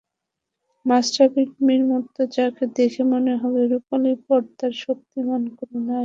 মাশরাফি বিন মুর্তজাকে দেখে মনে হবে রুপালি পর্দার শক্তিমান কোনো নায়ক।